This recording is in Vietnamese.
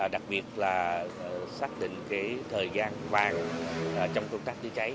đặc biệt là xác định thời gian vàng trong công tác chữa cháy